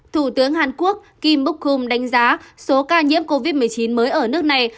thủ tướng hàn quốc kim bok hom đánh giá số ca nhiễm covid một mươi chín mới ở nước này